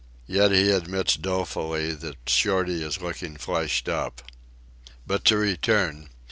Yet he admits dolefully that Shorty is looking fleshed up. But to return.